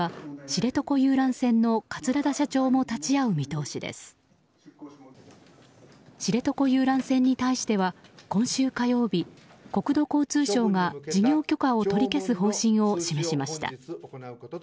知床遊覧船に対しては今週火曜日国土交通省が事業許可を取り消す方針を示しました。